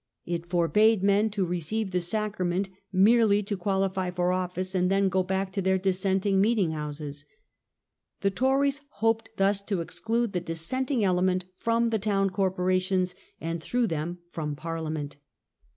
It forbade men to receive the Sacrament, merely to qualify for office, and then go back to their Dissenting meeting houses. The Tories hoped thus to exclude the Dissenting element from the town corporations, and through them from Parliament.